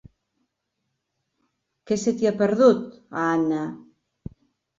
Què se t'hi ha perdut, a Anna?